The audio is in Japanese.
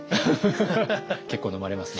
結構飲まれますね？